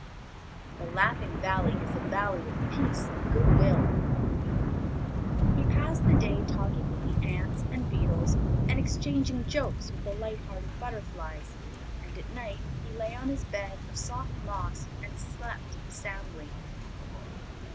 The Laughing Valley is a valley of peace and good will." He passed the day talking with the ants and beetles and exchanging jokes with the light hearted butterflies. And at night he lay on his bed of soft moss and slept soundly.